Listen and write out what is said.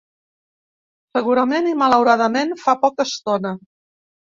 Segurament, i malauradament, fa poca estona.